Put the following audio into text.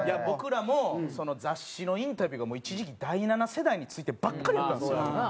僕らも雑誌のインタビューが一時期第七世代についてばっかりやったんですよ。